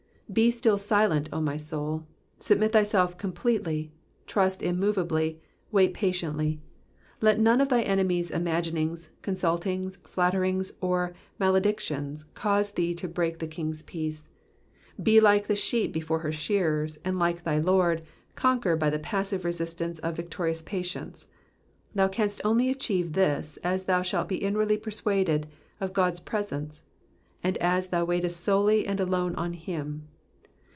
Be still silent, O my soul ! submit thyself completely, trust immova bly, wait patiently. Let none of thy enemies^ imaginings, consul tings, flatteries, or maledictions cause thee to break the Eing^s peace. Be like the sheep before her shearers, and like thy Lord, conquer by the passive resistance of victorious patience : thou canst only achieve this as thou shalt be inwardly persuaded of God^s presence, and as thou waitest 8o!ely and alone on him.